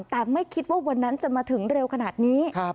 แต่ไม่คิดว่าวันนั้นจะมาถึงเร็วขนาดนี้